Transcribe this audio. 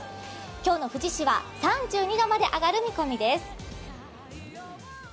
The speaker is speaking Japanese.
今日の富士市は３２度まで上がる見込みです。